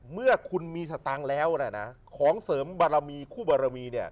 เมื่อคุณมีสตางค์แล้วนะของเสริมบารมีคู่บารมีเนี่ย